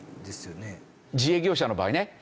自営業者の場合ね。